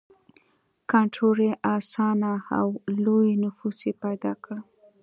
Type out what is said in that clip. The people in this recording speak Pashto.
کنټرول یې اسانه و او لوی نفوس یې پیدا کړ.